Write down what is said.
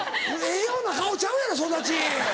ええような顔ちゃうやろ育ち。